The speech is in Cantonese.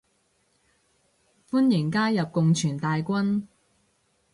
歡迎加入共存大軍